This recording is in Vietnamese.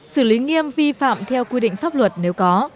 xử lý nghiêm vi phạm theo quy định pháp luật nếu có